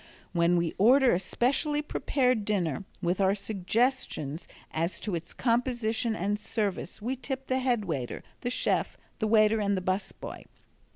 When we order a specially prepared dinner, with our suggestions as to its composition and service, we tip the head waiter, the chef, the waiter and the bus boy.